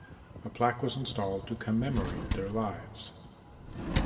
A plaque was installed to commemorate their lives.